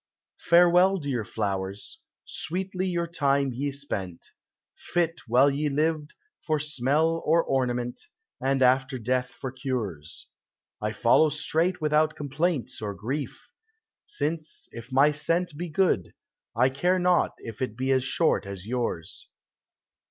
• Farewell, dear flowers ! sweetly your time ye spent ; Fit, while ye lived, for smell or ornament, And after death for cures. I follow straight without complaints or grief ; Since, if my scent be good, I care not if It be as short as yours.